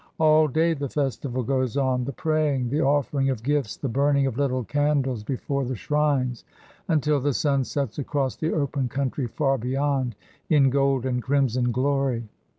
All day the festival goes on the praying, the offering of gifts, the burning of little candles before the shrines until the sun sets across the open country far beyond in gold and crimson glory.